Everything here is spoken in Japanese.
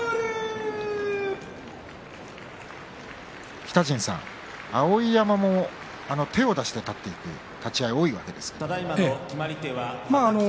北陣さん、碧山手を出して立っていく立ち合いも多いですね。